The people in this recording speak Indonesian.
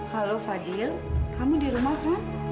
halo fadil kamu di rumah kan